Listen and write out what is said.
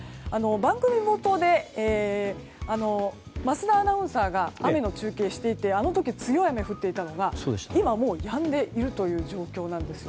番組冒頭で桝田アナウンサーが雨の中継をしていてあの時は強い雨が降っていたのが今は、もうやんでいる状況なんです。